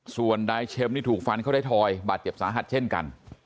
ส่วนนายเชมนี่ถูกฟันเข้าไทยทอยบาดเจ็บสาหัสเช่นกัน